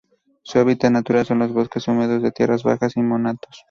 Su hábitat natural son los bosques húmedos de tierras bajas y montanos.